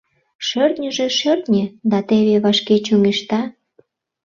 Шӧртньыжӧ шӧртньӧ, да теве вашке чоҥешта...